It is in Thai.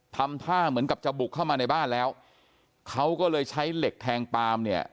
ทำท่าเหมือนกับจะบุกเข้ามาในบ้านแล้วเขาก็เลยใช้เหล็กแทงปาล์มเนี่ย